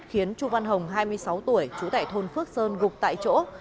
khiến chú văn hồng hai mươi sáu tuổi chú tại thôn phước sơn gục tại chỗ